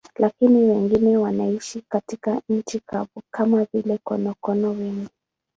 Lakini wengine wanaishi katika nchi kavu, kama vile konokono wengi.